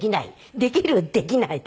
「できる」「できない」って。